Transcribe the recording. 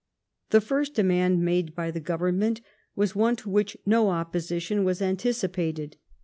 The first demand made by the Government was one to which no opposition was anticipated.